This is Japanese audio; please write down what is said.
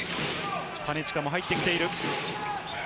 金近も入ってきている。